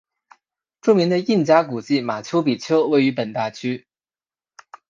著名的印加古迹马丘比丘位于本大区。